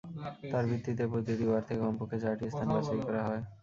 তার ভিত্তিতে প্রতিটি ওয়ার্ড থেকে কমপক্ষে চারটি স্থান বাছাই করা হয়।